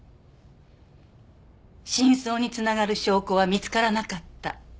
真相に繋がる証拠は見つからなかった。